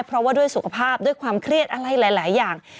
เพราะว่าด้วยสุขภาพด้วยความเครียดอะไรหลายอย่าง